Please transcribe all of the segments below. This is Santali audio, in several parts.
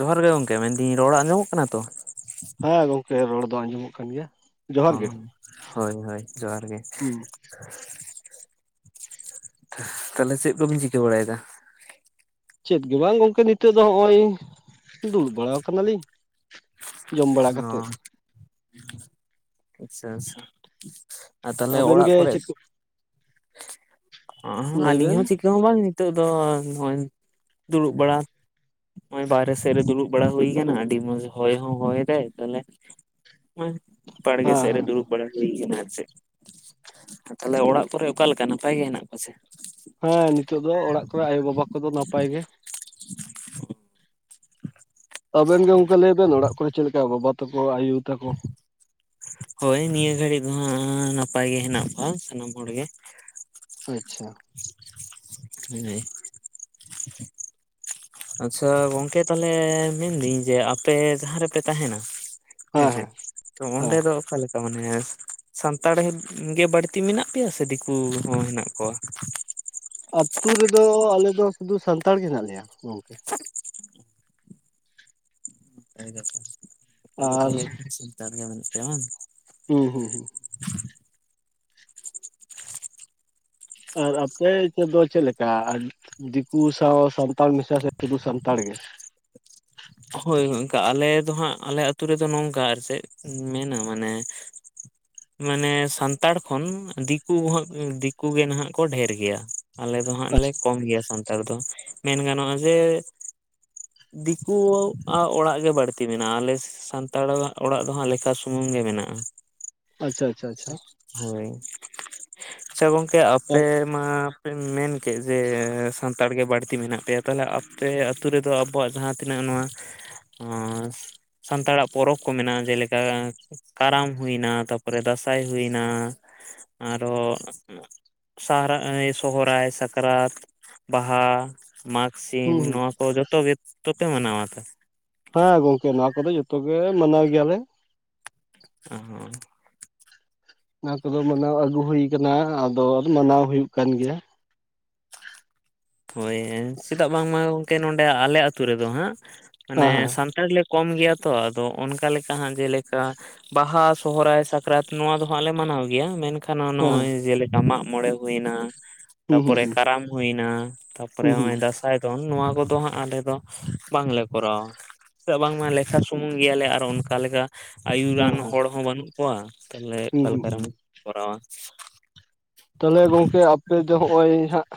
ᱡᱚᱦᱟᱨ ᱜᱮ ᱜᱚᱝᱠᱮ ᱢᱮᱱᱫᱤᱧ ᱨᱚᱲ ᱟᱸᱡᱚᱢᱚᱜ ᱠᱟᱱᱟ ᱛᱚ? ᱦᱮᱸ ᱜᱚᱝᱠᱮ ᱨᱚᱲ ᱫᱚ ᱟᱸᱡᱚᱢᱚᱜ ᱠᱟᱱ ᱜᱮᱭᱟ᱾ ᱡᱚᱦᱟᱨ ᱚ ᱜᱮ ᱦᱳᱭ ᱦᱳᱭ ᱡᱚᱦᱟᱨ ᱜᱮ᱾ ᱦᱩᱸ ᱛᱷᱟᱞᱮ ᱪᱮᱫ ᱠᱚᱵᱤᱱ ᱪᱤᱠᱟᱹ ᱵᱟᱲᱟᱭᱫᱟ? ᱪᱮᱫ ᱜᱮ ᱵᱟᱝ ᱜᱚᱝᱠᱮ ᱱᱤᱛᱚᱜ ᱫᱚ ᱦᱚᱜ ᱚᱭ ᱫᱩᱲᱩᱵ ᱵᱟᱲᱟᱣ ᱠᱟᱱᱟᱞᱤᱧ᱾ ᱡᱚᱢ ᱚ ᱵᱟᱲᱟ ᱟᱪᱪᱷᱟ ᱠᱟᱛᱮᱫ ᱟᱪᱪᱷᱟ᱾ ᱟᱨ ᱛᱟᱦᱚᱞᱮ ᱟᱵᱮᱱ ᱚᱲᱟᱜ ᱜᱮ ᱠᱚᱨᱮ? ᱪᱮᱫ ᱞᱟᱹᱭ ᱟᱹᱞᱤᱧ ᱵᱮᱱ ᱦᱚᱸ ᱪᱤᱠᱟᱹ ᱦᱚᱸ ᱵᱟᱝ ᱱᱤᱛᱚᱜ ᱫᱚ ᱱᱚᱜᱼᱚᱭ ᱫᱩᱲᱩᱵ ᱵᱟᱲᱟ᱾ ᱱᱚᱜᱼᱚᱭ ᱵᱟᱨᱦᱮ ᱥᱮᱫ ᱨᱮ ᱫᱩᱲᱩᱵ ᱵᱟᱲᱟ ᱦᱩᱭ ᱠᱟᱱᱟ ᱟᱹᱰᱤ ᱢᱚᱸᱡᱽ ᱦᱚᱭ ᱦᱚᱸ ᱦᱚᱭ ᱫᱟᱭ ᱛᱟᱦᱚᱞᱮ ᱚᱸᱭ ᱵᱟᱲᱜᱮ ᱦᱮᱸ ᱥᱮᱫ ᱨᱮ ᱦᱮᱸ ᱫᱩᱲᱩᱵ ᱵᱟᱲᱟᱭ᱾ ᱦᱩᱭ ᱠᱟᱱᱟ ᱟᱨ ᱪᱮᱫ ᱛᱷᱟᱞᱮ ᱚᱲᱟᱜ ᱠᱚᱨᱮ ᱚᱠᱟᱞᱮᱠᱟ ᱱᱟᱯᱟᱭ ᱜᱮ ᱦᱮᱱᱟᱜ ᱠᱚᱣᱟ ᱥᱮ? ᱦᱚᱭ ᱱᱤᱛᱚᱜ ᱫᱚ ᱚᱲᱟᱜ ᱠᱚᱨᱮ ᱟᱭᱳ ᱵᱟᱵᱟ ᱠᱚᱫᱚ ᱱᱟᱯ ᱯᱟᱭ ᱜᱮ᱾ ᱟᱵᱮᱱ ᱜᱮ ᱜᱚᱝᱠᱮ ᱞᱟᱹᱭ ᱵᱮᱱ ᱚᱲᱟᱜ ᱠᱚᱨᱮ ᱪᱮᱫ ᱞᱮᱠᱟ ᱵᱟᱵᱟ ᱛᱟᱠᱚ ᱟᱭᱳ ᱛᱟᱠᱚ? ᱦᱳᱭ ᱱᱤᱭᱟᱹ ᱜᱷᱟᱹᱲᱤᱡ [unintelligible] ᱱᱟᱯᱟᱭ ᱜᱮ ᱦᱮᱱᱟᱜ ᱠᱚᱣᱟ ᱥᱟᱱᱟᱢ ᱦᱚᱲᱜᱮ᱾ ᱟᱪᱪᱷᱟ᱾ ᱱᱤᱱᱟᱹ ᱤᱦ ᱟᱪᱪᱷᱟ ᱜᱚᱝᱠᱮ ᱛᱟᱞᱦᱮ ᱢᱮᱱᱫᱤᱧ ᱡᱮ ᱟᱯᱮ ᱡᱟᱦᱟᱸ ᱨᱮᱯᱮ ᱛᱟᱦᱮᱸᱱᱟ ᱦᱮᱸ ᱦᱮᱸᱥᱮ ᱦᱮᱸ ᱛᱚ ᱚᱸᱰᱮ ᱦᱮᱸ ᱫᱚ ᱚᱠᱟ ᱞᱮᱠᱟ ᱢᱟᱱᱮ ᱥᱟᱱᱛᱟᱲ ᱜᱮ ᱵᱟᱹᱲᱛᱤ ᱢᱮᱱᱟᱜ ᱯᱮᱭᱟ ᱥᱮ ᱫᱤᱠᱩ ᱦᱚᱸ ᱦᱮᱱᱟᱜ ᱠᱚᱣᱟ? ᱟᱹᱛᱩ ᱨᱮᱫᱚ ᱟᱞᱮ ᱫᱚ ᱥᱩᱫᱷᱩ ᱥᱟᱱᱛᱟᱲ ᱜᱮ ᱦᱮᱱᱟᱜ ᱞᱮᱭᱟ ᱜᱚᱝᱠᱮ᱾ ᱳᱭ ᱵᱮᱯᱟᱨ ᱟᱯᱮᱫᱚ ᱟᱨ ᱛᱟᱦᱚᱞᱮ ᱥᱟᱱᱛᱟᱲ ᱜᱮ ᱢᱮᱱᱟᱜ ᱯᱮᱭᱟ ᱵᱟᱝ? ᱦᱩᱸ ᱦᱩᱸ ᱦᱩᱸ᱾ ᱟᱨ ᱟᱯᱮ ᱛᱮᱫᱚ ᱪᱮᱫ ᱞᱮᱠᱟ ᱟᱞ ᱫᱤᱠᱩ ᱥᱟᱶ ᱥᱟᱱᱛᱟᱲ ᱢᱮᱥᱟ ᱥᱮ ᱥᱩᱫᱩ ᱥᱟᱱᱛᱟᱲ ᱜᱮ? ᱦᱳᱭ ᱦᱳᱭ ᱚᱝᱠᱟ ᱟᱞᱮ ᱫᱚ ᱦᱟᱸᱜ ᱟᱞᱮ ᱟᱹᱛᱩ ᱨᱮᱫᱚ ᱱᱚᱝᱠᱟ ᱟᱨ ᱪᱮᱫ ᱢᱮᱱᱟ ᱢᱟᱱᱮ ᱢᱟᱱᱮ ᱥᱟᱱᱛᱟᱲ ᱠᱷᱚᱱ ᱫᱤᱠᱩ ᱦᱚᱸᱜ ᱫᱤᱠᱩ ᱜᱮ ᱱᱟᱦᱟᱜ ᱠᱚ ᱰᱷᱮᱹᱨ ᱜᱮᱭᱟ᱾ ᱟᱞᱮ ᱫᱚ ᱦᱟᱸᱜ ᱞᱮ ᱟᱪᱪᱷᱟ ᱠᱚᱢ ᱜᱮᱭᱟ ᱥᱟᱱᱛ ᱛᱟᱲ ᱫᱚ ᱢᱮᱱ ᱜᱟᱱᱚᱜᱼᱟ ᱡᱮ ᱫᱤᱠᱩ ᱟᱜ ᱚᱲᱟᱜ ᱜᱮ ᱵᱟᱹᱲᱛᱤ ᱢᱮᱱᱟᱜᱼᱟ ᱟᱞᱮ ᱥᱟᱱᱛᱟᱲ ᱟᱜ ᱚᱲᱟᱜ ᱫᱚ ᱦᱟᱸᱜ ᱞᱮᱠᱷᱟ ᱥᱩᱢᱩᱝ ᱜᱮ ᱢᱮᱱᱟᱜᱼᱟ᱾ ᱟᱪᱷᱟ ᱟᱪᱷᱟ ᱟᱪᱷᱟ᱾ ᱦᱳᱭ, ᱟᱪᱷᱟ ᱜᱚᱝᱠᱮ ᱦᱩᱸ ᱟᱯᱮ ᱢᱟ ᱯᱮ ᱢᱮᱱ ᱠᱮᱜ ᱡᱮ ᱥᱟᱱᱛᱟᱲ ᱜᱮ ᱵᱟᱹᱲᱛᱤ ᱢᱮᱱᱟᱜ ᱯᱮᱭᱟ ᱛᱟᱦᱚᱞᱮ ᱟᱯᱮ ᱟᱹ ᱛᱩ ᱨᱮᱫᱚ ᱟᱵᱚᱣᱟᱜ ᱡᱟᱦᱟᱸ ᱛᱤᱱᱟᱹᱜ ᱱᱚᱣᱟ ᱟᱸᱥ ᱥᱟᱱᱛᱟᱲᱟᱜ ᱯᱚᱨᱚᱵᱽ ᱠᱚ ᱢᱮᱱᱟᱜᱼᱟ ᱡᱮᱞᱮᱠᱟ ᱠᱟᱨᱟᱢ ᱦᱩᱭᱱᱟ ᱛᱟᱯᱚᱨᱮ ᱫᱟᱸᱥᱟᱭ ᱦᱩᱭᱱᱟ ᱟᱨᱚ ᱾ [unintelligible] ᱮᱭ ᱥᱚᱦᱨᱟᱭ, ᱥᱟᱠᱨᱟᱛ, ᱵᱟᱦᱟ, ᱢᱟᱜᱽ ᱥᱤᱢ ᱦᱩᱸ ᱱᱚᱣᱟ ᱠᱚ ᱡᱚᱛᱚ ᱜᱮᱛᱚᱯᱮ ᱢᱟᱱᱟᱣᱟ ᱛᱟ ᱾ ᱦᱮᱸ ᱜᱚᱝᱠᱮ ᱱᱚᱣᱟ ᱠᱚᱫᱚ ᱡᱚᱛᱚ ᱜᱮ ᱢᱟᱱᱟᱣ ᱜᱮᱭᱟᱞᱮ᱾ ᱟᱦᱚᱸ ᱚᱱᱟ ᱠᱚᱫᱚ ᱢᱟᱱᱟᱣ ᱟᱹᱜᱩ ᱦᱩᱭ ᱟᱠᱟᱱᱟ ᱟᱫᱚ ᱢᱟᱱᱟᱣ ᱦᱩᱭᱩᱜ ᱠᱟᱱ ᱜᱮᱭᱟ᱾ ᱦᱳᱭ ᱦᱮᱸ ᱪᱮᱫᱟᱜ ᱵᱟᱝᱢᱟ ᱜᱚᱝᱠᱮ ᱱᱚᱰᱮ ᱟᱞᱮ ᱟᱛᱳ ᱨᱮᱫᱚ ᱦᱟᱸᱜ ᱢᱟᱱᱮ ᱦᱮᱸ ᱥᱟᱱ ᱛᱟᱲ ᱞᱮ ᱠᱚᱢ ᱜᱮᱭᱟ ᱛᱚ ᱟᱫᱚ ᱚᱱᱠᱟ ᱞᱮᱠᱟ ᱦᱟᱸᱜ ᱡᱮᱞᱮᱠᱟ ᱵᱟᱦᱟ, ᱥᱚᱦᱨᱟᱭ, ᱥᱟᱠᱨᱟᱛ ᱱᱚᱣᱟ ᱫᱚ ᱦᱟᱸᱜ ᱞᱮ ᱢᱟᱱᱟᱣ ᱜᱮᱭᱟ ᱢᱮᱱᱠᱷᱟᱱ ᱠᱷᱟᱱ ᱦᱮᱸ ᱦᱮᱸ ᱱᱚᱜᱚᱭ ᱡᱮᱞᱮᱠᱟ ᱢᱟᱜᱢᱚᱬᱮ ᱦᱩᱭᱮᱱᱟ ᱦᱩᱸ ᱦᱩᱸ ᱛᱟᱯᱚᱨᱮ ᱠᱟᱨᱟᱢ ᱦᱩᱭᱮᱱᱟ ᱛᱟᱯᱚᱨᱮ ᱦᱩᱸ ᱦᱩᱸ ᱦᱩᱸ ᱦᱚᱸᱜ-ᱚᱭ ᱫᱟᱸᱥᱟᱭ ᱫᱚᱱ ᱱᱚᱣᱟ ᱠᱚᱫᱚ ᱦᱟᱸᱜ ᱟᱞᱮ ᱫᱚ ᱵᱟᱝᱞᱮ ᱠᱚᱨᱟᱣᱟ᱾ ᱪᱮᱫᱟᱜ ᱵᱟᱝᱢᱟ ᱞᱮᱠᱷᱟ ᱥᱩᱢᱩᱝ ᱜᱮᱭᱟᱞᱮ ᱟᱨ ᱚᱱᱠᱟ ᱞᱮᱠᱟ ᱦᱮᱸ ᱟᱭᱩᱨᱟᱱ ᱦᱚᱲ ᱦᱚᱸ ᱵᱟᱹᱱᱩᱜ ᱠᱚᱣᱟ ᱛᱟᱦᱞᱮ ᱦᱮᱸ ᱚᱠᱟ ᱦᱩᱸ ᱦᱩᱸ ᱞᱮᱠᱟᱨᱮᱢ ᱦᱩᱸ ᱠᱚᱨᱟᱣᱟ᱾ ᱛᱟᱦᱚᱞᱮ ᱜᱚᱝᱠᱮ ᱟᱯᱮ ᱫᱚ ᱦᱚᱸᱜᱼᱚᱭ ᱦᱟᱸᱜ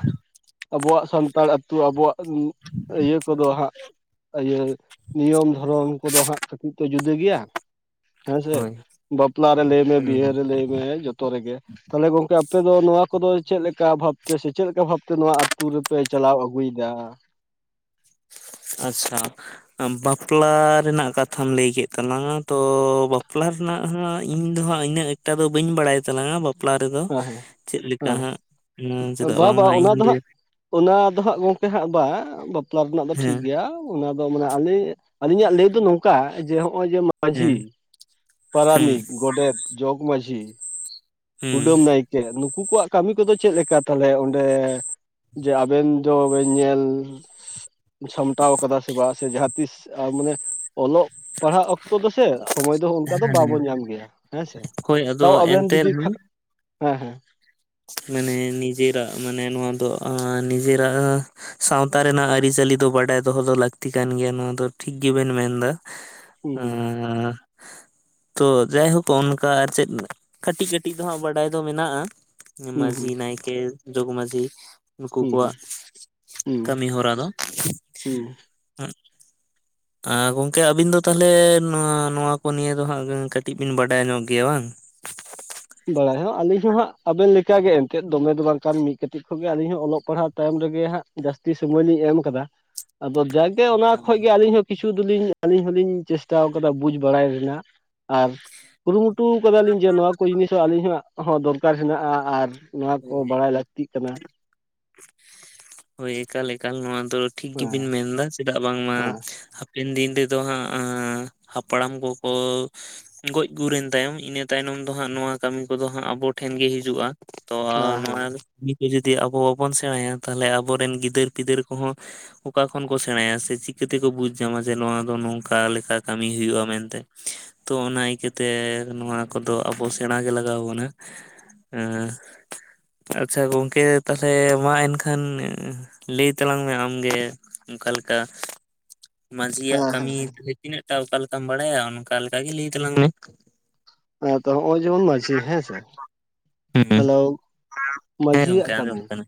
ᱟᱵᱚᱣᱟᱜ ᱥᱟᱱᱛᱟᱲ ᱟᱹᱛᱩ ᱟᱵᱚᱣᱟᱜ ᱟᱹᱭᱟᱹ ᱠᱚᱫᱚ ᱦᱟᱸᱜ ᱤᱭᱟᱹ ᱱᱤᱭᱚᱢ ᱫᱷᱚᱨᱚᱢ ᱠᱚᱫᱚ ᱦᱟᱸᱜ ᱠᱟᱹᱴᱤᱡ ᱛᱚ ᱡᱩᱫᱟᱹ ᱜᱮᱭᱟ᱾ ᱦᱮᱸᱥᱮ ᱦᱳᱭ ᱵᱟᱯᱞᱟ ᱨᱮ ᱞᱟᱹᱭᱢᱮ ᱵᱤᱦᱟᱹ ᱨᱮ ᱞᱟᱹᱭ ᱢᱮ ᱡᱚᱛᱚ ᱨᱮᱜᱮ᱾ ᱛᱟᱦᱚᱞᱮ ᱜᱚᱝᱠᱮ ᱟᱯᱮᱫᱚ ᱱᱚᱣᱟ ᱠᱚᱫᱚ ᱪᱮᱫ ᱞᱮᱠᱟ ᱵᱷᱟᱵᱛᱮ ᱥᱮ ᱪᱮᱫ ᱞᱮᱠᱟ ᱵᱷᱟᱵᱴᱞᱽᱛᱮ ᱱᱚᱣᱟ ᱟᱹᱛᱩ ᱨᱮᱯᱮ ᱪᱟᱞᱟᱣ ᱟᱹᱜᱩᱭᱫᱟ? ᱟᱪᱪᱷᱟ ᱟᱢ ᱵᱟᱯᱞᱟ ᱨᱮᱱᱟᱜ ᱠᱟᱛᱷᱟᱢ ᱞᱟᱹᱭ ᱠᱮᱫ ᱛᱟᱞᱟᱝᱟ ᱛᱚ ᱵᱟᱯᱞᱟ ᱦᱮᱱᱟᱜ ᱦᱟᱜ ᱤᱧ ᱫᱚ ᱦᱟᱸᱜ ᱤᱱᱟᱹᱜ ᱮᱠᱴᱟ ᱫᱚ ᱵᱟᱹᱧ ᱵᱟᱲᱟᱭ ᱛᱞᱟᱝᱟ᱾ ᱵᱟ- -ᱯᱞᱟ ᱨᱮᱫᱚ ᱦᱮᱸ ᱪᱮᱫ ᱞᱮᱠᱟ ᱦᱮᱸ ᱦᱟᱸᱜ ᱦᱮᱸ ᱪᱮᱫᱟᱜ ᱵᱟ ᱵᱟ ᱵᱟᱝᱢᱟ ᱚᱱᱟ ᱤᱧ ᱦᱟᱸᱜ ᱫᱚ ᱚᱱᱟ ᱫᱚ ᱦᱟᱸᱜ ᱜᱚᱝᱠᱮ ᱦᱟᱸᱜ ᱵᱟᱝ ᱵᱟᱯᱞᱟ ᱨᱮᱱᱟᱜ ᱫᱚ ᱴᱷᱤᱠ ᱦᱮᱸ ᱜᱮᱭᱟ᱾ ᱚᱱᱟ ᱫᱚ ᱢᱟᱱᱮ ᱟᱞᱤᱧ ᱟᱞᱤᱧᱟᱜ ᱞᱟᱹᱭ ᱫᱚ ᱱᱚᱝᱠᱟ ᱡᱮ ᱦᱚᱸᱜᱼᱚᱭ ᱡᱮ ᱢᱟᱺᱡᱷᱤ, ᱦᱮᱸ ᱦᱩᱸ ᱯᱟᱨᱟᱱᱤᱠ, ᱜᱚᱰᱮᱛ, ᱡᱚᱜᱽ ᱢᱟᱺᱡᱷᱤ, ᱦᱩᱸ ᱠᱩᱰᱟᱹᱢ ᱱᱟᱭᱠᱮ ᱱᱩᱠᱩ ᱠᱚᱣᱟᱜ ᱠᱟᱹᱢᱤ ᱠᱚᱫᱚ ᱪᱮᱫ ᱞᱮᱠᱟ ᱛᱟᱦᱚᱞᱮ ᱚᱸᱰᱮ? ᱡᱮ ᱟᱵᱮᱱ ᱫᱚ ᱵᱮᱱ ᱧᱮᱞ ᱥᱟᱢᱴᱟᱣ ᱟᱠᱟᱫᱟ ᱥᱮ ᱵᱟᱝ ᱥᱮ ᱡᱟᱦᱟᱸ ᱛᱤᱥ ᱢᱟᱱᱮ ᱚᱞᱚᱜ ᱯᱟᱲᱦᱟᱜ ᱚᱠᱛᱚ ᱫᱚᱥᱮ ᱥᱚᱢᱚᱭ ᱫᱚ ᱚᱱᱠᱟ ᱦᱮᱸ ᱫᱚ ᱦᱮᱸ ᱵᱟᱵᱚᱱ ᱧᱟᱢ ᱜᱮᱭᱟ ᱦᱮᱸᱥᱮ᱾ ᱦᱳᱭ ᱟᱫᱚ ᱛᱟᱣ ᱟᱵᱮᱱ ᱮᱱᱛᱮ ᱡᱩᱫᱤ ᱨᱮᱦᱚᱸ ᱦᱮᱸ ᱦᱮᱸ ᱢᱟᱱᱮ ᱱᱤᱡᱮᱨᱟᱜ ᱢᱟᱱᱮ ᱱᱚᱣᱟ ᱫᱚ ᱱᱤᱡᱮᱨᱟᱜ ᱥᱟᱶᱛᱟ ᱨᱮᱱᱟᱜ ᱟᱹᱨᱤᱪᱟᱹᱞᱤ ᱫᱚ ᱵᱟᱰᱟᱭ ᱫᱚᱦᱚ ᱫᱚ ᱞᱟᱹᱠᱛᱤ ᱠᱟᱱ ᱜᱮᱭᱟ ᱱᱚᱣᱟ ᱫᱚ ᱴᱷᱤᱠ ᱜᱮᱵᱮᱱ ᱢᱮᱱᱫᱟ᱾ ᱦᱩᱸ ᱦᱩᱸ ᱮᱸ ᱛᱚ ᱡᱟᱭᱦᱳᱠ ᱚᱱᱠᱟ ᱟᱨ ᱪᱮᱫ ᱠᱟᱹᱴᱤᱡᱼ ᱠᱟᱹᱴᱤᱡ ᱫᱚ ᱦᱟᱸᱜ ᱵᱟᱰᱟᱭ ᱫᱚ ᱢᱮᱱᱟᱜᱼᱟ᱾ ᱦᱩᱸ ᱢᱟᱺᱡᱷᱤ, ᱦᱩᱸ ᱱᱟᱭᱠᱮ, ᱡᱚᱜᱽ ᱢᱟᱡᱷᱤ ᱩᱱᱩᱠᱩ ᱦᱩᱸ ᱠᱚᱣᱟᱜ ᱦᱩᱸ ᱠᱟᱹᱢᱤ ᱦᱚᱨᱟ ᱫᱚ᱾ ᱦᱩᱸ ᱟᱸ ᱜᱚᱝᱠᱮ ᱟᱵᱤᱱ ᱫᱚ ᱛᱟᱦᱚᱞᱮ ᱱᱚᱣᱟ ᱱᱚᱣᱟ ᱠᱚ ᱱᱤᱭᱮ ᱫᱚ ᱦᱟᱸᱜ ᱠᱟᱹᱴᱤᱡ ᱵᱤᱱ ᱵᱟᱰᱟᱭ ᱧᱚᱜ ᱜᱮᱭᱟ ᱵᱟᱝ? ᱵᱟᱲᱟᱭ ᱦᱚᱸ ᱟᱹᱞᱤᱧ ᱦᱚᱸ ᱦᱟᱸᱜ ᱟᱵᱮᱱ ᱞᱮᱠᱟᱜᱮ ᱮᱱᱛᱮᱫ ᱫᱚᱢᱮ ᱫᱚ ᱵᱟᱝ ᱠᱷᱟᱱ ᱢᱤᱫ ᱠᱟᱹᱴᱤᱡ ᱠᱷᱚᱱᱜᱮ ᱟᱹᱞᱤᱧ ᱦᱚᱸ ᱚᱞᱚᱜ ᱯᱟᱲᱦᱟᱜ ᱛᱟᱭᱚᱢ ᱨᱮᱜᱮ ᱦᱟᱸᱜ ᱡᱟᱹᱥᱛᱤ ᱥᱚᱢᱚᱭ ᱞᱤᱧ ᱮᱢ ᱟᱠᱟᱫᱟ᱾ ᱟᱫᱚ ᱡᱟᱠᱜᱮ ᱚᱱᱟ ᱠᱷᱚᱡ ᱜᱮ ᱟᱹᱞᱤᱧ ᱦᱚᱸ ᱠᱤᱪᱷᱩ ᱫᱚᱞᱤᱧ ᱟᱹᱞᱤᱧ ᱦᱚᱞᱤᱧ ᱪᱮᱥᱴᱟᱣ ᱟᱠᱟᱫᱟ ᱵᱩᱡᱽ ᱵᱟᱲᱟᱭ ᱨᱮᱱᱟᱜ ᱟᱨ ᱠᱩᱨᱩᱢᱩᱴᱩ ᱟᱠᱟᱫᱟᱞᱤᱧ ᱡᱮ ᱱᱚᱣᱟ ᱠᱚ ᱡᱤᱱᱤᱥ ᱦᱚᱸ ᱟᱹᱞᱤᱧᱟᱜ ᱦᱚᱸ ᱫᱚᱨᱠᱟᱨ ᱦᱮᱱᱟᱜᱼᱟ ᱟᱨ ᱱᱚᱣᱟ ᱠᱚ ᱦᱮᱸ ᱵᱟᱲᱟᱭ ᱞᱟᱹᱠ- ᱛᱤᱜ ᱠᱟᱱᱟ᱾ ᱦᱳᱭ ᱮᱠᱟᱞ ᱮᱠᱟᱞ ᱱᱚᱣᱟ ᱫᱚ ᱴᱷᱤᱠ ᱦᱮᱸ ᱜᱮᱵᱤᱱ ᱢᱮᱱ ᱮᱫᱟ ᱪᱮᱫᱟᱜ ᱵᱟᱝᱢᱟ ᱦᱮᱸ ᱦᱟᱯᱮᱱ ᱫᱤᱱ ᱨᱮᱫᱚ ᱦᱟᱸᱜ ᱦᱟᱯᱲᱟᱢ ᱠᱚᱠᱚ ᱜᱚᱡ ᱜᱩᱨᱮᱱ ᱛᱟᱭᱚᱢ ᱤᱱᱟᱹ ᱛᱟᱭᱱᱚᱢ ᱫᱚ ᱦᱟᱸᱜ ᱱᱚᱣᱟ ᱠᱟᱹᱢᱤ ᱠᱚᱫᱚ ᱦᱟᱸᱜ ᱟᱵᱚ ᱴᱷᱮᱱᱜᱤ ᱦᱤᱡᱩᱜᱼᱟ᱾ ᱛᱚ ᱦᱮᱸ ᱱᱚᱣᱟ ᱦᱮᱸ ᱠᱟᱹᱢᱤ ᱠᱚ ᱡᱩᱫᱤ ᱟᱵᱚ ᱵᱟᱵᱚᱱ ᱥᱮᱬᱟᱭᱟ᱾ ᱛᱟᱞᱦᱞᱮ ᱟᱵᱚᱨᱮᱱ ᱜᱤᱫᱟᱹᱨ ᱯᱤᱫᱟᱹᱨ ᱠᱚᱦᱚᱸ ᱚᱠᱟ ᱠᱷᱚᱱ ᱠᱚ ᱥᱮᱬᱟᱭᱟ ᱥᱮ ᱪᱤᱠᱟᱹᱛᱮᱠᱚ ᱵᱩᱡᱽ ᱧᱟᱢᱟ ᱡᱮ ᱱᱚᱣᱟ ᱫᱚ ᱱᱚᱝᱠᱟ ᱞᱮᱠᱟ ᱠᱟᱹᱢᱤ ᱦᱩᱭᱩᱜᱼᱟ ᱢᱮᱱᱛᱮ ᱛᱚ ᱚᱱᱟ ᱠᱷᱟᱛᱤᱨ ᱱᱚᱣᱟ ᱠᱚᱫᱚ ᱟᱵᱚ ᱥᱮᱬᱟ ᱜᱮ ᱞᱟᱜᱟᱣ ᱟᱵᱚᱱᱟ ᱦᱮᱸ ᱟᱪᱪᱷᱟ ᱜᱚᱝᱠᱮ ᱛᱟᱦᱚᱞᱮ ᱢᱟ ᱮᱱᱠᱷᱟᱱ ᱠᱷᱟᱱ ᱞᱟᱹᱭ ᱛᱟᱞᱟᱝ ᱢᱮ ᱟᱢᱜᱮ ᱚᱱᱠᱟ ᱞᱮᱠᱟ ᱢᱟᱺᱡᱷᱤᱭᱟᱜ ᱦᱮᱸ ᱦᱮᱸ ᱠᱟᱹᱢᱤ ᱛᱤᱱᱟᱹᱜ ᱴᱟ ᱚᱠᱟ ᱞᱮᱠᱟᱢ ᱵᱟᱲᱟᱭᱟ ᱚᱱᱠᱟ ᱞᱮᱠᱟ ᱜᱮ ᱞᱟᱹᱭ ᱛᱟᱞᱟᱝ ᱢᱮ ᱦᱮᱸ ᱛᱚ ᱱᱚᱜᱼᱚᱭ ᱡᱮᱢᱚᱱ ᱢᱟᱺᱡᱷᱤ ᱦᱮᱸ ᱥᱮ ᱦᱩᱸ ᱦᱮᱞᱳ ᱦᱮᱸ ᱢᱟᱺᱡᱷᱤᱭᱟᱜ ᱜᱚᱝᱠᱮ ᱠᱟᱹᱢᱤ ᱟᱸᱡᱚᱢᱚᱜ ᱠᱟᱱᱟ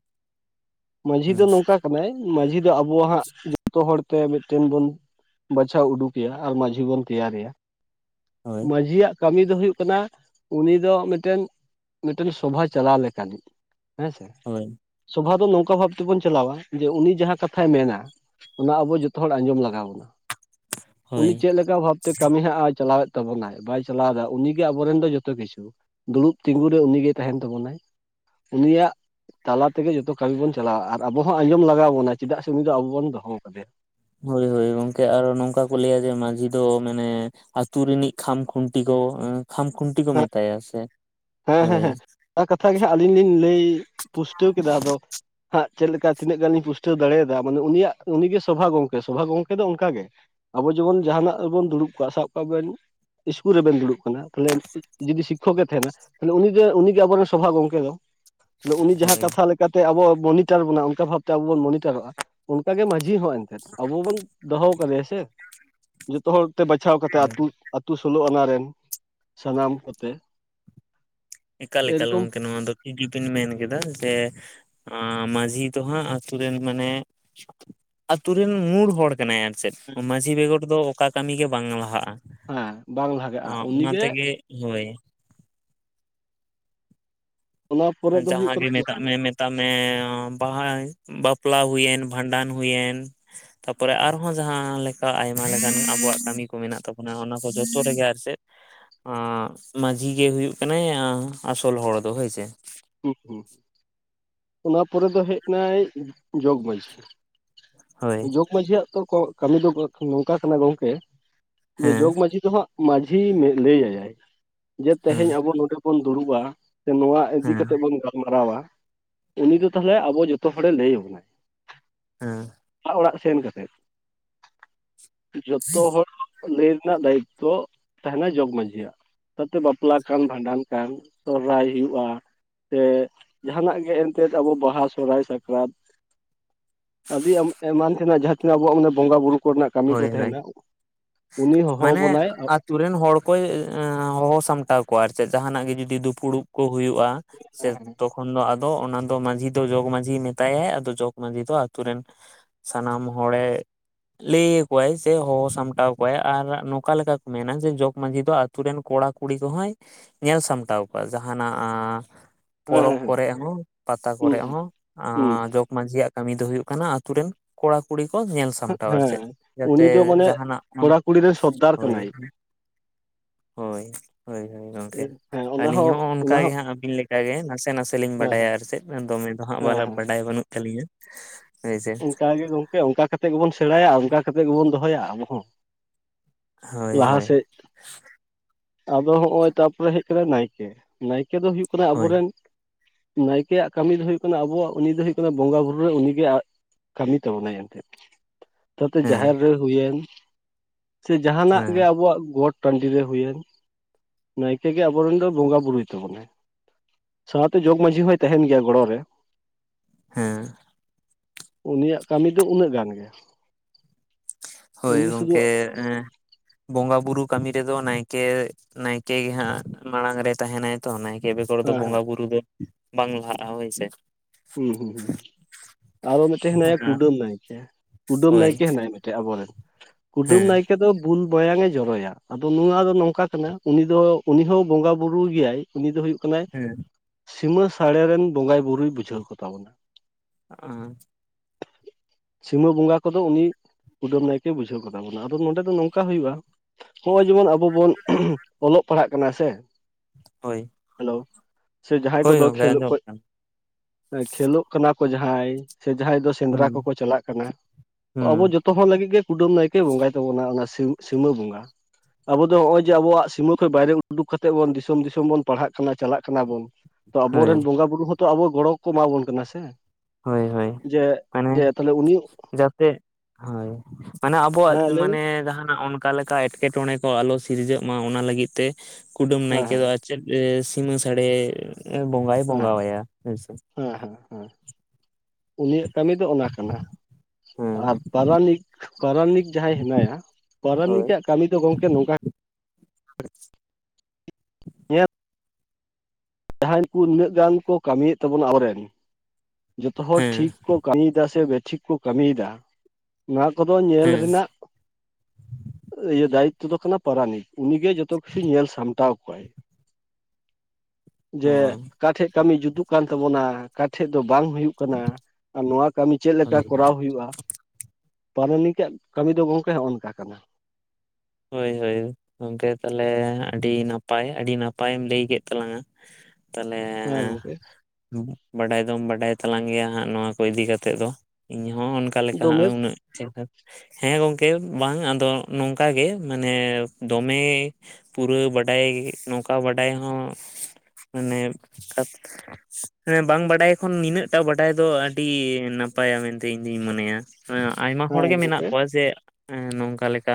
ᱢᱟᱡᱷᱤ ᱦᱩᱸ ᱫᱚ ᱱᱚᱝᱠᱟ ᱠᱟᱱᱟᱭ ᱢᱟᱡᱷᱤ ᱫᱚ ᱟᱵᱚᱣᱟᱜ ᱦᱟᱸᱜ ᱡᱚᱛᱚ ᱦᱚᱲ ᱛᱮ ᱢᱤᱫᱴᱮᱱ ᱵᱚᱱ ᱵᱟᱪᱷᱟᱣ ᱩᱰᱩᱠᱮᱭᱟ ᱟᱨ ᱢᱟᱺᱡᱷᱤ ᱵᱚᱱ ᱛᱮᱭᱟ ᱨᱮᱭᱟ ᱦᱳᱭ ᱢᱟᱺᱡᱷᱤᱭᱟᱜ ᱠᱟᱹᱢᱤ ᱫᱚ ᱦᱩᱭᱩᱜ ᱠᱟᱱᱟ ᱩᱱᱤ ᱫᱚ ᱢᱤᱫᱴᱮᱱ ᱢᱤᱫᱴᱮᱱ ᱥᱚᱵᱷᱟ ᱪᱟᱞᱟᱣ ᱞᱮᱠᱟᱱᱤᱡ᱾ ᱦᱮᱸ ᱥᱮ ᱦᱳᱭ ᱥᱚᱵᱷᱟ ᱫᱚ ᱱᱚᱝ ᱠᱟ ᱵᱷᱟᱵ ᱛᱮᱵᱚᱱ ᱪᱟᱞᱟᱣᱟ ᱡᱮ ᱩᱱᱤ ᱡᱟᱦᱟᱸ ᱠᱟᱛᱷᱟᱭ ᱢᱮᱱᱟ ᱚᱱᱟ ᱟᱵᱚ ᱡᱚᱛᱚ ᱦᱚᱲ ᱟᱸᱡᱚᱢ ᱞᱟᱜᱟᱣ ᱵᱚᱱᱟ ᱩᱱᱤ ᱦᱳᱭ ᱪᱮᱫᱞᱮᱠᱟ ᱵᱷᱟᱵᱛᱮ ᱠᱟᱹᱢᱤ ᱦᱟᱜᱼᱟᱭ ᱪᱟᱞᱟᱣᱮᱫ ᱛᱟᱵᱚᱱᱟᱭ ᱵᱟᱭ ᱪᱟᱞᱟᱣᱮᱫᱟ ᱩᱱᱤᱜᱮ ᱟᱵᱚᱨᱮᱱ ᱫᱚ ᱡᱚᱛᱚ ᱠᱤᱪᱷᱩ ᱫᱩᱲᱩᱵ ᱛᱤᱸᱜᱩ ᱨᱮ ᱩᱱᱤ ᱜᱮ ᱛᱟᱦᱮᱱ ᱛᱟᱵᱚᱱᱟᱭ ᱩᱱᱤᱭᱟᱜ ᱛᱟᱞᱟ ᱛᱮᱜᱮ ᱡᱚᱛᱚ ᱠᱟᱹᱢᱤ ᱵᱚᱱ ᱪᱟᱞᱟᱣᱼᱟ ᱟᱨ ᱟᱵᱚ ᱦᱚᱸ ᱟᱸᱡᱚᱢ ᱞᱟᱜᱟᱣ ᱵᱚᱱᱟ ᱪᱮᱫᱟᱜ ᱥᱮ ᱩᱱᱤ ᱫᱚ ᱟᱵᱚ ᱵᱚᱱ ᱫᱚᱦᱚ ᱟᱠᱟᱫᱮᱭᱟ ᱦᱳᱭ ᱦᱳᱭ ᱜᱚᱝᱠᱮ ᱟᱨᱚ ᱱᱚᱝᱠᱟ ᱠᱚ ᱞᱟᱹᱭᱟ ᱡᱮ ᱢᱟᱺᱡᱷᱤ ᱫᱚ ᱢᱟᱱᱮ ᱟᱹᱛᱩ ᱨᱤᱱᱤᱡ ᱠᱷᱟᱢ ᱠᱷᱩᱱᱴᱤ ᱠᱚ ᱠᱷᱟᱢᱠᱷᱩᱱᱴᱤ ᱠᱚ ᱦᱮᱸ ᱢᱮᱛᱟᱭᱟ ᱥᱮ ᱦᱮᱸ ᱦᱳᱭ ᱦᱮᱸ ᱚᱱᱟ ᱠᱟᱛᱷᱟ ᱜᱮ ᱦᱟᱸᱜ ᱟᱹᱞᱤᱧ ᱞᱤᱧ ᱞᱟᱹᱭ ᱯᱩᱥᱴᱟᱹᱣ ᱠᱮᱫᱟ ᱟᱫᱚ ᱦᱟᱸᱜ ᱪᱮᱫ ᱞᱮᱠᱟ ᱛᱤᱱᱟᱹᱜ ᱜᱟᱱᱤᱧ ᱯᱩᱴᱟᱹᱣ ᱫᱟᱲᱮᱭᱟᱫᱟ ᱢᱟᱱᱮ ᱩᱱᱤᱭᱟᱜ ᱩᱱᱤᱜᱮ ᱥᱚᱵᱷᱟ ᱜᱚᱝᱠᱮ ᱥᱚᱵᱷᱟ ᱜᱚᱝᱠᱮ ᱫᱚ ᱚᱱᱠᱟ ᱜᱮ ᱟᱵᱚ ᱡᱮᱢᱚᱱ ᱡᱟᱦᱟᱱᱟᱜ ᱨᱮᱵᱚᱱ ᱫᱩᱲᱩᱵ ᱠᱚᱜᱼᱟ ᱥᱟᱵ ᱠᱟᱜ ᱵᱮᱱ ᱤᱥᱠᱩᱞ ᱨᱮᱵᱮᱱ ᱫᱩᱲᱩᱵ ᱠᱟᱱᱟ ᱛᱟᱦᱚᱞᱮ ᱡᱩᱫᱤ ᱥᱤᱠᱠᱷᱚᱠ ᱮ ᱛᱟᱦᱮᱱᱟ ᱛᱟᱦᱮ ᱩᱱᱤ ᱩᱱᱤᱜᱮ ᱟᱵᱚᱨᱮᱱ ᱥᱚᱵᱷᱟ ᱜᱚᱝᱠᱮ ᱫᱚ ᱛᱟᱦᱮ ᱩᱱᱤ ᱡᱟᱦᱟᱸ ᱦᱳᱭ ᱠᱟᱛᱷᱟ ᱞᱮᱠᱟ [unintelligible] ᱠᱟᱛᱮ ᱟᱵᱚ ᱢᱚᱱᱤᱴᱟᱨ ᱵᱚᱱᱼᱟ ᱚᱱᱠᱟ ᱵᱷᱟᱵᱛᱮ ᱟᱵᱚ ᱵᱚᱱ ᱢᱚᱱᱤᱴᱟᱨᱚᱜᱼᱟ ᱚᱱᱠᱟ ᱜᱮ ᱢᱟᱹᱡᱷᱤ ᱦᱚᱹᱭ ᱟᱵᱚ ᱵᱚᱱ ᱫᱚᱦᱚ ᱟᱠᱟᱫᱮᱭᱟ ᱥᱮ ᱡᱚᱛᱚ ᱦᱚᱲ ᱛᱮ ᱵᱟᱪᱷᱟᱣ ᱠᱟᱛᱮᱫ ᱟᱹᱛᱩ ᱟᱛᱩ ᱥᱳᱞᱳ ᱟᱱᱟ ᱨᱮᱱ ᱥᱟᱱᱟᱢ ᱠᱚᱛᱮ ᱮᱠᱟᱞ ᱮᱠᱟᱞ ᱮᱨᱚᱠᱚᱢ ᱜᱚᱝᱠᱮ ᱱᱚᱣᱟ ᱫᱚ ᱦᱤᱡᱤᱵᱤᱱ ᱢᱮᱱ ᱠᱮᱫᱟ ᱡᱮ ᱢᱟᱺᱡᱷᱤ ᱫᱚ ᱦᱟᱸᱜ ᱟᱛᱳ ᱨᱮᱱ ᱢᱟᱱᱮ ᱟᱹᱛᱩ ᱨᱮᱱ ᱢᱩᱲ ᱦᱚᱲ ᱠᱟᱱᱟᱭ ᱟᱨ ᱪᱮᱫ ᱢᱟᱺᱡᱷᱤ ᱵᱮᱜᱚᱨ ᱫᱚ ᱚᱠᱟ ᱠᱟᱹᱢᱤ ᱜᱮ ᱵᱟᱝ ᱞᱟᱦᱟᱜᱼᱟ ᱦᱮᱸ ᱵᱟᱝ ᱞᱟᱜᱟᱜᱼᱟ ᱚᱱᱟ ᱩᱱᱤᱜᱮ ᱛᱮᱜᱮ ᱦᱳᱭ ᱚᱱᱟ ᱯᱚᱨᱮ ᱫᱚ ᱦᱩᱭᱩᱜ ᱡᱟᱦᱟᱸ ᱜᱮ ᱠᱟᱱᱟ ᱡᱚᱛᱚ ᱢᱮᱛᱟᱜ ᱢᱮ ᱛᱟᱢᱮ ᱵᱟᱦᱟ ᱵᱟᱯᱞᱟ ᱦᱩᱭᱮᱱ ᱵᱷᱟᱸᱰᱟᱱ ᱦᱩᱭ ᱮᱱ ᱛᱟᱨᱯᱚᱨᱮ ᱟᱨᱦᱚᱸ ᱡᱟᱦᱟᱸ ᱞᱮᱠᱟ ᱟᱭᱢᱟ ᱞᱮᱠᱟᱱ ᱟᱵᱚᱣᱟᱜ ᱠᱟᱹᱢᱤ ᱠᱚ ᱢᱮᱱᱟᱜ ᱛᱟᱵᱚᱱᱟ ᱚᱱᱟ ᱠᱚ ᱡᱚᱛᱚ ᱨᱮᱜᱮ ᱟᱨ ᱪᱮᱫ ᱢᱟᱺᱡᱷᱤ ᱜᱮ ᱦᱩᱭᱩᱜ ᱠᱟᱱᱟ ᱟᱥᱚᱞ ᱦᱚᱲ ᱫᱚ ᱦᱳᱭ ᱥᱮ ᱦᱸ ᱚᱱᱟ ᱯᱚᱨᱮ ᱫᱚ ᱦᱮᱡ ᱱᱟᱭ ᱡᱚᱜᱽ ᱢᱟᱺᱡᱷᱤ ᱦᱳᱭ ᱡᱚᱜᱽ ᱢᱟᱺᱡᱷᱤᱭᱟᱜ ᱛᱚ ᱠᱟᱹᱢᱤ ᱫᱚ ᱱᱚᱝᱠᱟ ᱠᱟᱱᱟ ᱜᱚᱢᱠᱮ ᱡᱮ ᱦᱮᱸ ᱡᱚᱜᱽ ᱢᱟᱺᱡᱷᱤ ᱫᱚ ᱦᱟᱸᱜ ᱢᱟᱺᱡᱷᱤ ᱞᱟᱹᱭ ᱟᱭᱟᱭ ᱡᱮ ᱦᱮᱸ ᱛᱮᱦᱮᱧ ᱟᱵᱚ ᱱᱚᱰᱮ ᱵᱚᱱ ᱫᱩᱲᱩᱵᱼᱟ ᱥᱮ ᱱᱚᱣᱟ ᱤᱫᱤ ᱦᱮᱸ ᱠᱟᱛᱮ ᱜᱟᱞᱢᱟᱨᱟᱣᱟ ᱩᱱᱤ ᱫᱚ ᱛᱟᱦᱚᱞᱮ ᱟᱵᱚ ᱡᱚᱛᱚ ᱦᱚᱲ ᱮ ᱞᱟᱹᱭ ᱟᱵᱚᱱᱟᱭ ᱦᱮᱸ ᱚᱱᱟ ᱚᱲᱟᱜ ᱥᱮᱱ ᱠᱟᱛᱮᱫ ᱡᱚᱛᱚ ᱦᱚᱲ ᱞᱟᱹᱭ ᱨᱮᱱᱟᱜ ᱫᱟᱭᱤᱛᱛᱚ ᱛᱟᱦᱮᱱᱟ ᱡᱚᱜᱽᱢᱟᱺᱡᱷᱤᱭᱟᱜ ᱛᱟᱛᱮ ᱵᱟᱯᱞᱟ ᱠᱟᱱ ᱵᱷᱟᱸᱰᱟᱱ ᱠᱟᱱ ᱥᱚᱨᱦᱟᱭ ᱦᱩᱭᱩᱜᱼᱟ ᱥᱮ ᱡᱟᱦᱟᱱᱟᱜ ᱜᱮ ᱮᱱᱛᱮᱫ ᱟᱵᱚ ᱵᱟᱦᱟ ᱥᱚᱨᱦᱟᱭ ᱥᱟᱠᱨᱟᱛ ᱟᱹᱰᱤ ᱮᱢᱟᱱ ᱛᱮᱱᱟᱜ ᱡᱟᱦᱟᱸ ᱛᱤᱱᱟᱹᱜ ᱟᱵᱚᱣᱟᱜ ᱢᱟᱱᱮ ᱵᱚᱸᱜᱟ ᱵᱩᱨᱩ ᱠᱚᱨᱮᱱᱟᱜ ᱠᱟᱹᱢᱤ ᱠᱚ ᱦᱳᱭ ᱦᱳᱭ ᱛᱟᱦᱮᱱᱟ ᱩᱱᱤ ᱦᱚᱦᱚ ᱟᱵᱚᱱᱟᱭ ᱟᱛᱩᱨ ᱨᱮᱱ ᱦᱚᱲ ᱠᱚᱭ ᱦᱚᱦᱚ ᱥᱟᱢᱴᱟᱣ ᱠᱚᱣᱟ ᱟᱨ ᱪᱮᱫ ᱡᱟᱦᱟᱱᱟᱜ ᱜᱮ ᱡᱩᱫᱤ ᱫᱩᱯᱩᱲᱩᱵ ᱠᱚ ᱦᱩᱭᱩᱜᱼᱟ᱾ ᱥᱮ ᱛᱚ ᱦᱮᱸ ᱛᱚᱠᱷᱚᱱ ᱫᱚ ᱟᱫᱚ ᱚᱱᱟ ᱫᱚ ᱢᱟᱺᱡᱷᱤ ᱫᱚ ᱡᱚᱜᱽ ᱢᱟᱺᱡᱷᱤᱭ ᱢᱮᱛᱟᱭᱟᱭ ᱟᱫᱚ ᱡᱚᱜᱽ ᱢᱟᱺᱡᱷᱤ ᱫᱚ ᱟᱛᱳ ᱨᱮᱱ ᱥᱟᱱᱟᱢ ᱦᱚᱲᱮ ᱞᱟᱹᱭ ᱟᱠᱚᱣᱟᱭ ᱥᱮ ᱦᱚᱦᱚ ᱥᱟᱢᱴᱟᱣ ᱠᱚᱣᱟᱭ ᱟᱨ ᱱᱚᱝᱠᱟ ᱞᱮᱠᱟ ᱠᱚ ᱢᱮᱱᱟᱮ ᱡᱚᱜᱽᱢᱟᱟᱹᱡᱷᱤ ᱫᱚ ᱟᱛᱳ ᱨᱮᱱ ᱠᱚᱲᱟᱼ ᱠᱩᱲᱤ ᱠᱚᱦᱚᱸᱭ ᱧᱮᱞ ᱥᱟᱢᱴᱟᱣ ᱠᱚᱣᱟ ᱡᱟᱦᱟᱸᱱᱟᱜ ᱟ ᱦᱮᱸ ᱯᱚᱨᱚᱵᱽ ᱦᱮᱸ ᱠᱚᱨᱮ ᱦᱚᱸ ᱯᱟᱛᱟ ᱠᱚᱨᱮ ᱦᱩᱸ ᱦᱚᱸ᱾ ᱦᱩᱸ ᱡᱚᱜᱽ ᱢᱟᱺᱡᱷᱤᱭᱟᱜ ᱠᱟᱹᱢᱤ ᱫᱚ ᱦᱩᱭᱩᱜ ᱠᱟᱱᱟ ᱟᱛᱩᱨ ᱨᱮᱱ ᱠᱚᱲᱟ ᱠᱩᱲᱤ ᱠᱚ ᱧᱮᱞ ᱥᱟ ᱴᱟᱣᱟᱨ ᱥᱮᱫ ᱦᱮᱸ ᱡᱟᱛᱮ ᱩᱱᱤ ᱫᱚ ᱢᱟᱱᱮ ᱡᱟᱦᱟᱱᱟᱜ ᱠᱚᱲᱟ ᱠᱩᱲᱤ ᱨᱮᱱ ᱥᱚᱨᱫᱟᱨ ᱦᱳᱭ ᱠᱟᱱᱟᱭ ᱦᱳᱭ ᱦᱳᱭ ᱦᱳᱭ ᱜᱚᱢᱠᱮ ᱦᱮᱸ ᱚᱱᱟ ᱟᱹᱞᱤᱧ ᱦᱚᱸ ᱚᱱᱠᱟ ᱚᱱᱟ ᱜᱮ ᱦᱚᱸ ᱦᱟᱸᱜ ᱟᱹᱵᱤᱱ ᱞᱮᱠᱟᱜᱮ ᱱᱟᱥᱮ ᱱᱟᱥᱮ ᱞᱤᱧ ᱦᱮᱸ ᱵᱟᱰᱟᱭᱟ ᱟᱨ ᱪᱮᱫ ᱫᱚᱢᱮ ᱫᱚ ᱦᱟᱸᱜ ᱵᱟ ᱦᱮᱸ ᱦᱮᱸ ᱵᱟᱰᱟᱭ ᱵᱟᱹᱱᱩᱜ ᱟᱞᱤᱧᱭᱟ ᱚᱱᱠᱟ ᱜᱮ ᱜᱚᱝᱠᱮ ᱚᱱᱠᱟ ᱠᱟᱛᱮᱫ ᱜᱮᱵᱚᱱ ᱥᱮᱬᱟᱭᱟ ᱚᱱᱠᱟ ᱠᱟᱛᱮᱮᱫ ᱜᱮᱵᱚᱱ ᱫᱚᱦᱚᱭᱟ ᱟᱵᱚ ᱦᱚᱸ᱾ ᱦᱳᱭ ᱞᱟᱦᱟ ᱦᱳᱭ ᱥᱮᱫ ᱟᱫᱚ ᱦᱚᱜ ᱚᱭ ᱛᱟᱯᱚᱨᱮ ᱦᱮᱡ ᱠᱟᱱᱟ ᱱᱟᱭᱠᱮ ᱱᱟᱭᱠᱮ ᱫᱚ ᱦᱩᱭᱩᱜᱭᱳᱜ ᱠᱟᱱᱟ ᱦᱩᱭᱩᱜ ᱠᱟᱱᱟ ᱦᱳᱭ ᱟᱵᱚᱨᱮᱱ ᱱᱟᱭᱠᱮᱭᱟᱜ ᱠᱟᱹᱢᱤ ᱫᱚ ᱦᱩᱭᱩᱜ ᱠᱟᱱᱟ ᱟᱵᱚᱣᱟᱜ ᱩᱱᱤ ᱫᱚ ᱦᱩᱭᱩᱜ ᱠᱟᱱᱟ ᱵᱚᱸᱜᱟ ᱵᱩᱨᱩ ᱨᱮ ᱩᱱᱤᱜᱮ ᱠᱟᱹᱢᱤ ᱛᱟᱵᱚᱱᱟᱭ ᱮᱱᱛᱮᱫ ᱛᱟᱛᱮ ᱦᱮᱸ ᱡᱟᱦᱮᱨ ᱨᱮ ᱦᱩᱭᱮᱱ ᱥᱮ ᱡᱟᱦᱟᱱᱟᱜ ᱜᱮ ᱦᱮᱸ ᱟᱵᱚᱣᱟᱜ ᱜᱚᱴ ᱴᱟᱺᱰᱤ ᱨᱮ ᱦᱩᱭᱮᱱ ᱱᱟᱭᱠᱟᱹᱜ ᱜᱮ ᱟᱵᱚᱨᱮᱱ ᱫᱚ ᱵᱚᱸᱜᱟ ᱵᱩᱨᱩᱭ ᱛᱟᱵᱚᱱᱟᱭ᱾ ᱥᱟᱶᱛᱮ ᱡᱚᱜᱽ ᱢᱟᱺᱡᱷᱤ ᱦᱚᱭ ᱛᱟᱦᱮᱱ ᱜᱮᱭᱟ ᱜᱚᱲᱚ ᱨᱮ᱾ ᱦᱮᱸ ᱩᱱᱤᱭᱟᱜ ᱠᱟᱹᱢᱤ ᱫᱚ ᱩᱱᱟᱹᱜ ᱜᱟᱱ ᱜᱮᱭᱟ᱾ ᱦᱳᱭ ᱜᱚᱝᱠᱮ ᱮᱸ ᱵᱚᱸᱜᱟ ᱵᱩᱨᱩ ᱠᱟᱹᱢᱤ ᱨᱮᱫᱚ ᱱᱟᱭᱠᱮ ᱱᱟᱭᱠᱮ ᱜᱮ ᱦᱟᱸᱜ ᱢᱟᱲᱟᱝ ᱨᱮ ᱛᱟᱦᱮᱱᱟᱭ᱾ ᱛᱚ ᱱᱟᱭᱠᱮ ᱠᱚᱚᱨ ᱫᱚ ᱦᱮᱸ ᱵᱚᱸᱜᱟ ᱦᱮᱸ ᱵᱩᱨᱩ ᱫᱚ ᱵᱟᱝ ᱞᱟᱦᱟᱜᱼᱟ ᱦᱳᱭ ᱥᱮ ᱦᱩᱸ ᱦᱩᱸ ᱦᱩᱸ ᱟᱨᱚ ᱢᱤᱫᱴᱮᱱ ᱦᱮᱱᱟᱭᱟ ᱠᱩᱰᱟᱹᱢ ᱱᱟᱭᱠᱮ ᱠᱩᱰᱟᱹᱢ ᱦᱳᱭ ᱱᱟᱭᱠᱮ ᱦᱮᱱᱟᱭᱟ ᱢᱤᱫᱴᱮᱡ ᱟᱵᱚᱨᱮᱱ ᱠᱩᱰᱟᱹᱢ ᱦᱮᱸ ᱱᱟᱭᱠᱮ ᱮᱠᱮ ᱫᱚ ᱵᱩᱞ ᱢᱟᱭᱟᱝᱮ ᱡᱚᱨᱚᱭᱟ ᱟᱫᱚ ᱱᱚᱣᱟ ᱫᱚ ᱱᱚᱝᱠᱟ ᱠᱟᱱᱟ ᱩᱱᱤ ᱫᱚ ᱩᱱᱤ ᱦᱚᱸ ᱵᱚᱸᱜᱟ ᱵᱳᱨᱳ ᱜᱮᱭᱟᱭ ᱩᱱᱤ ᱫᱚ ᱦᱩᱭᱩᱜ ᱠᱟᱱᱟᱭ ᱦᱮᱸ ᱥᱤᱢᱟᱹ ᱥᱟᱲᱮ ᱨᱮᱱ ᱵᱚᱸᱜᱟᱭ ᱵᱳᱩᱨᱩᱭ ᱵᱩᱡᱷᱟᱹᱣ ᱠᱚᱛᱟ ᱵᱚᱱᱟ᱾ [unintelligible] [inaudible] ᱥᱤᱢᱟᱹ ᱵᱚᱸᱜᱟ ᱠᱚᱫᱚ ᱩᱱᱤ ᱠᱩᱰᱟᱹᱢ ᱱᱟᱭᱠᱮ ᱵᱩᱡᱷᱟᱹᱣ ᱠᱟᱛᱟ ᱵᱚᱱᱟ ᱟᱫᱚ ᱱᱚᱰᱮ ᱫᱚ ᱱᱚᱝᱠᱟ ᱦᱩᱭᱩᱜᱼᱟ ᱦᱚᱭ ᱡᱮᱢᱚᱱ ᱟᱵᱚ ᱵᱚᱱ ᱚᱞᱚᱜ ᱯᱟᱲᱦᱟᱜ ᱠᱟᱱᱟ ᱥᱮ ᱦᱳᱭ ᱦᱮᱞᱳ ᱥᱮ ᱡᱟᱦᱟᱸᱭ ᱦᱳᱭ ᱠᱚᱫᱚ ᱜᱚᱝᱠᱮ ᱠᱷᱮᱞᱳᱜ ᱠᱚ ᱟᱸᱡᱚᱢᱚᱜ ᱠᱟᱱᱟ ᱠᱷᱮᱞᱳᱜ ᱠᱟᱱᱟ ᱠᱚ ᱡᱟᱦᱟᱸᱭ ᱥᱮ ᱡᱟᱦᱟᱸᱭ ᱫᱚ ᱥᱮᱸᱫᱽᱨᱟ ᱦᱩᱸ ᱠᱚᱠᱚ ᱪᱟᱞᱟᱜ ᱠᱟᱱᱟ ᱟᱵᱚ ᱡᱚᱛᱚ ᱦᱩᱸ ᱡᱚᱛᱚ ᱦᱚᱲ ᱞᱟᱹᱜᱤᱫ ᱜᱮ ᱠᱩᱰᱟᱹᱢ ᱱᱟᱭᱠᱮ ᱵᱚᱸᱜᱟᱭ ᱛᱟᱵᱚᱱᱟ ᱚᱱᱟ ᱥᱤᱢ ᱥᱤᱢᱟᱹ ᱵᱚᱸᱜᱟ᱾ ᱟᱵᱚ ᱫᱚ ᱱᱚᱜ ᱚᱭ ᱡᱮ ᱟᱵᱚᱣᱟᱜ ᱥᱤᱢᱟᱹ ᱠᱷᱚᱱ ᱵᱟᱭᱨᱮ ᱩᱰᱩᱠ ᱠᱟᱛᱮᱜ ᱵᱚᱱ ᱫᱤᱥᱚᱢ ᱫᱤᱥᱚᱢ ᱵᱚᱱ ᱯᱟᱲᱦᱟᱜ ᱠᱟᱱᱟ ᱪᱟᱞᱟᱜ ᱠᱟᱱᱟ ᱵᱚᱱ᱾ ᱛᱚ ᱦᱳᱭ ᱟᱵᱚᱨᱮᱱ ᱵᱚᱸᱜᱟ ᱵᱩᱨᱩ ᱦᱚᱸᱛᱚ ᱟᱵᱚ ᱜᱚᱲᱚ ᱠᱚ ᱮᱢᱟ ᱵᱚᱱ ᱠᱟᱱᱟ ᱥᱮ᱾ ᱦᱳᱭ ᱦᱳᱭ ᱡᱮ ᱢᱟᱱᱮ ᱡᱮ ᱛᱟᱦᱞᱮ ᱩᱱᱤ ᱦᱳᱭ ᱢᱟᱱᱮ ᱟᱵᱚᱣᱟᱜ ᱦᱮᱸ ᱞᱟᱹᱭ ᱢᱮ ᱢᱟᱱᱮ ᱡᱟᱦᱟᱱᱟᱜ ᱚᱱ ᱠᱟ ᱞᱮᱠᱟ ᱮᱴᱠᱮᱴᱚᱬᱮ ᱠᱚ ᱟᱞᱚ ᱥᱤᱨᱡᱟᱹᱜ ᱢᱟ ᱚᱱᱟ ᱞᱟᱹᱜᱤᱫ ᱛᱮ ᱠᱩᱰᱟᱹᱢ ᱦᱮᱸ ᱱᱟᱭᱠᱮ ᱦᱮᱸ ᱫᱚ ᱟᱨ ᱪᱮᱫ ᱡᱮ ᱥᱤᱢᱟᱹ ᱥᱟᱲᱮ ᱵᱚᱸᱜᱟᱭ ᱦᱮᱸ ᱵᱚᱸᱜᱟᱣᱟᱭᱟ ᱦᱮᱸᱥᱮ᱾ ᱦᱮᱸ ᱦᱮᱸ ᱦᱮᱸ ᱩᱱᱤᱭᱟᱜ ᱠᱟᱹᱢᱤ ᱫᱚ ᱚᱱᱟ ᱠᱟᱱᱟ᱾ ᱦᱮᱸ ᱟᱨ ᱯᱟᱨᱟᱱᱤᱠ ᱯᱟᱨᱟᱱᱤᱠ ᱡᱟᱦᱟᱸᱭ ᱦᱮᱱᱟᱭᱟ ᱦᱳᱭ ᱯᱟᱨᱟᱱᱤᱠᱟᱜ ᱠᱟᱹᱢᱤ ᱫᱚ ᱜᱚᱝᱠᱮ ᱱᱚᱝᱠᱟ [unintelligible] ᱡᱟᱦᱟᱸᱭ ᱠᱚ ᱱᱤᱱᱟᱹᱜ ᱜᱟᱱ ᱠᱚ ᱠᱟᱹᱢᱤᱭᱮᱫ ᱛᱟᱵᱚᱱᱟ ᱟᱵᱚᱨᱮᱱ ᱡᱚᱛᱚ ᱦᱚᱲ ᱴᱷᱤᱠ ᱦᱮᱸ ᱠᱚ ᱠᱟᱹᱢᱤᱭᱮᱫᱟ ᱥᱮ ᱵᱮ ᱴᱷᱤᱠ ᱠᱚ ᱠᱟᱹᱢᱤᱭᱮᱫᱟ ᱱᱚᱣᱟ ᱠᱚᱫᱚ ᱧᱮᱞ ᱦᱮᱸ ᱨᱮᱱᱟᱜ ᱤᱭᱟᱹ ᱫᱟᱭᱤᱛ ᱫᱚ ᱠᱟᱱᱟ ᱯᱟᱨᱟᱱᱤᱠ ᱩᱱᱤᱜᱮ ᱡᱚᱛᱚ ᱠᱚᱭ ᱧᱮᱞ ᱥᱟᱢᱴᱟᱣ ᱠᱚᱣᱟᱭ᱾ ᱚ ᱡᱮ ᱟᱠᱟᱴᱷᱮᱡ ᱠᱟᱹᱢᱤ ᱡᱩᱛᱩᱜ ᱠᱟᱱ ᱛᱟᱵᱚᱱᱟ ᱟᱠᱟᱴᱷᱮᱡ ᱫᱚ ᱵᱟᱝ ᱦᱩᱭᱩᱜ ᱠᱟᱱᱟ ᱟᱨ ᱱᱚᱣᱟ ᱠᱟᱹᱢᱤ ᱪᱮᱫ ᱞᱮᱠᱟ ᱦᱳᱭ ᱠᱚᱨᱟᱣ ᱦᱩᱭᱩᱜᱼᱟ? ᱯᱟᱨᱟᱱᱤᱠᱟᱜ ᱠᱟᱹᱢᱤ ᱫᱚ ᱜᱚᱝᱠᱮ ᱚᱱᱠᱟ ᱠᱟᱱᱟ᱾ ᱦᱳᱭ ᱦᱳᱭ᱾ ᱜᱚᱝᱠᱮ ᱛᱟᱞᱮ ᱟᱹᱰᱤ ᱱᱟᱯᱟᱭ ᱟᱹᱰᱤ ᱱᱟᱯᱟᱭᱮᱢ ᱞᱟᱹᱭ ᱠᱮᱫ ᱛᱟᱞᱟᱝᱟ᱾ ᱛᱟ. ᱞᱮ ᱦᱮᱸ ᱜᱚᱝᱠᱮ ᱵᱟᱰᱟᱭ ᱫᱚᱢ ᱵᱟᱰᱟᱭ ᱛᱟᱞᱟᱝ ᱜᱮᱭᱟ ᱦᱟᱸᱜ ᱱᱚᱣᱟ ᱠᱚ ᱤᱫᱤ ᱠᱟᱛᱮᱜ ᱫᱚ ᱤᱧᱦᱚ ᱚᱱᱠᱟ ᱞᱮᱠᱟ ᱦᱟᱸᱜ ᱫᱚᱢᱮ ᱱᱩᱱᱟᱹᱜ ᱪᱮᱦᱨᱟ ᱦᱮᱸ ᱜᱚᱝᱠᱮ ᱵᱟᱝ ᱟᱫᱚ [unintelligible] ᱚᱱᱠᱟᱜ ᱜᱮ ᱢᱟᱱᱮ ᱫᱚᱢᱮ [inaudible] ᱯᱩᱨᱟᱹ ᱵᱟᱰᱟᱭ ᱜᱮ ᱱᱚᱝᱠᱟ ᱵᱟᱰᱟᱭ ᱦᱚᱸ ᱢᱟᱱᱮ ᱦᱮᱸ ᱵᱟᱝ ᱵᱟᱰᱟᱭ ᱠᱷᱚᱱ ᱱᱤᱱᱟᱹᱜᱴᱟᱜ ᱵᱟᱰᱟᱭ ᱫᱚ ᱟᱹᱰᱤ ᱱᱟᱯᱟᱭᱟ ᱢᱮᱱᱛᱮ ᱤᱧ ᱫᱩᱧ ᱢᱚᱱᱮᱭᱟ᱾ ᱦᱸ ᱟᱭᱢᱟ ᱦᱮᱸ ᱦᱚᱲᱜᱮ ᱢᱮᱱᱟᱜ ᱜᱚᱝᱠᱮ ᱠᱚᱣᱟ ᱡᱮ ᱱᱚᱝᱠᱟ ᱞᱮᱠᱟ᱾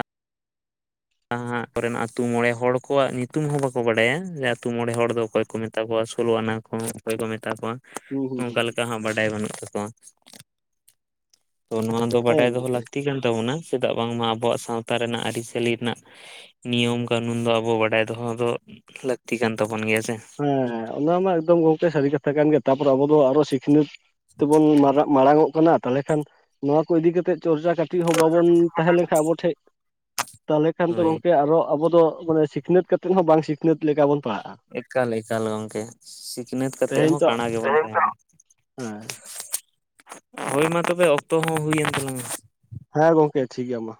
ᱡᱟᱦᱟᱸ ᱠᱚᱨᱮᱱ-ᱟ ᱟᱹᱛᱩ ᱢᱚᱬᱮ ᱦᱚᱲ ᱠᱚᱣᱟᱜ ᱧᱩᱛᱩᱢ ᱦᱚᱸ ᱵᱟᱠᱚ ᱵᱟᱰᱟᱭᱟᱮ ᱡᱮ ᱟᱛᱳ ᱢᱚᱬᱮ ᱦᱚᱲ ᱫᱚ ᱚᱠᱚᱭ ᱠᱚ ᱢᱮᱛᱟ ᱠᱚᱣᱟ ᱥᱳᱞᱳ ᱟᱱᱟ [inaudible] ᱚᱠᱚᱭ ᱠᱚ ᱢᱮᱛᱟ ᱠᱚᱣᱟ ᱦᱩᱸ ᱦᱩᱸ ᱚᱱᱠᱟ ᱦᱩᱸ ᱞᱮᱠᱟ ᱦᱟᱸᱜ ᱵᱟᱰᱟᱭ ᱵᱟᱹᱱᱩᱜ ᱛᱟᱠᱚᱣᱟ ᱛᱚ ᱱᱚᱣᱟ ᱛᱚ ᱦᱮᱸ ᱵᱟᱰᱟᱭ ᱫᱚᱦᱚ ᱜᱚᱝᱠᱮ ᱦᱮᱸ ᱞᱟᱹᱠᱛᱤ ᱠᱟᱱ ᱛᱟᱵᱚᱱᱟ ᱪᱮᱫᱟᱜ ᱵᱟᱝᱢᱟ ᱟᱵᱚᱣᱟᱜ ᱥᱟᱶᱛᱟ ᱨᱮᱱᱟᱜ ᱟᱹᱨᱤᱪᱟᱹᱞᱤ ᱨᱮᱱᱟᱜ ᱱᱤᱭᱚᱢ ᱠᱟᱱᱱᱩᱱ ᱫᱚ ᱟᱵᱚ ᱵᱟᱰᱟᱭ ᱫᱚᱦᱚ ᱫᱚ ᱞᱟᱹᱠᱛᱤ ᱠᱟᱱ ᱛᱟᱵᱚᱱ ᱜᱮᱭᱟ ᱥᱮ᱾ ᱦᱮᱸ ᱚᱱᱟ ᱢᱟ ᱮᱠᱫᱚᱢ ᱜᱚᱝᱠᱮ ᱥᱟᱹᱨᱤ ᱠᱟᱛᱷᱟ ᱠᱟᱱ ᱜᱮᱭᱟ ᱛᱟᱯᱚᱨᱮ ᱟᱵᱚ ᱫᱚ ᱟᱨᱚ ᱥᱤᱠᱷᱱᱟᱹᱛ ᱛᱮᱵᱚᱱ ᱢᱟᱲᱟᱝᱜ ᱠᱟᱱᱟ ᱛᱟᱞᱦᱮ ᱠᱷᱟᱱ ᱱᱚᱣᱟ ᱠᱚ ᱤᱫᱤᱠᱟ ᱠᱟᱛᱮ ᱪᱚᱨᱪᱟ ᱠᱟᱛᱮ ᱪᱤ ᱦᱚᱸ ᱵᱟᱵᱚᱱ ᱛᱟᱦᱮᱸ ᱞᱮᱱᱠᱷᱟᱱ ᱟᱵᱚ ᱴᱷᱮᱡ ᱛᱟᱞᱮ ᱠᱷᱟᱱ ᱫᱚ ᱦᱳᱭ ᱜᱚᱢᱠᱮ ᱟᱨᱚ ᱟᱵᱚ ᱫᱚ ᱢᱟᱱᱮ ᱥᱤ ᱥᱤᱠᱷᱱᱟᱹᱛ ᱠᱟᱛᱮᱫ ᱦᱚᱸ ᱵᱟᱝ ᱥᱤᱠᱷᱱᱟ. ᱛ ᱞᱮᱠᱟ ᱵᱚᱱ ᱯᱟᱲᱦᱟᱜ ᱮᱠᱟᱞ ᱮᱠᱟᱞ ᱜᱚᱝᱠᱮ ᱥᱤᱠᱷᱱᱟᱹᱛ ᱠᱟᱛᱮᱜ ᱛᱮᱦᱮᱧ ᱦᱚᱸ ᱛᱚ ᱠᱟᱬᱟ ᱜᱮᱵᱚᱱ ᱦᱮᱸ [unintelligible] ᱦᱳᱭ ᱢᱟ ᱛᱚᱵᱮ ᱚᱠᱛᱚ ᱦᱚᱸ ᱦᱩᱭᱮᱱ ᱛᱟᱞᱟᱝᱟ᱾ ᱦᱮᱸ ᱜᱚᱝᱠᱮ ᱴᱷᱤᱜᱮᱭᱟ ᱢᱟ᱾